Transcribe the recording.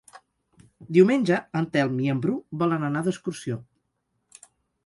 Diumenge en Telm i en Bru volen anar d'excursió.